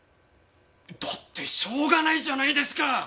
だってしょうがないじゃないですか！